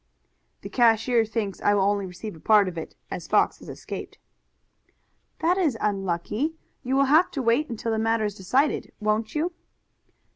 "The cashier thinks I will only receive a part of it, as Fox has escaped." "That is unlucky. You will have to wait until the matter is decided, won't you?"